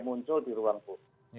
muncul di ruangku